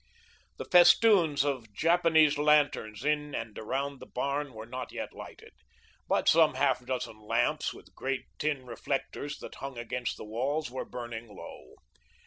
The festoons of Japanese lanterns in and around the barn were not yet lighted, but some half dozen lamps, with great, tin reflectors, that hung against the walls, were burning low.